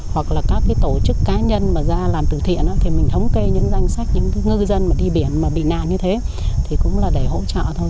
hoặc là các cái tổ chức cá nhân mà ra làm từ thiện thì mình thống kê những danh sách những ngư dân mà đi biển mà bị nà như thế thì cũng là để hỗ trợ thôi